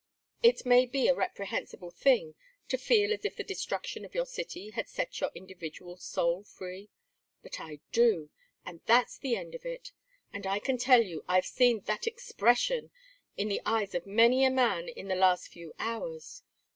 It may be a reprehensible thing to feel as if the destruction of your city had set your individual soul free but I do, and that's the end of it. And I can tell you I've seen that expression in the eyes of many a man in the last few hours.